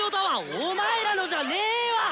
お前らのじゃねーわ！